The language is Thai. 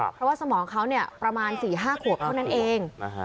เพราะว่าสมองเขาประมาณ๔๕ขวบเท่านั้นเอง